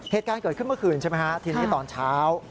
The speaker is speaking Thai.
เหตุการณ์เกิดขึ้นเมื่อคืนใช่ไหมฮะทีนี้ตอนเช้า